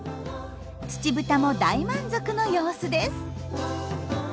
ツチブタも大満足の様子です。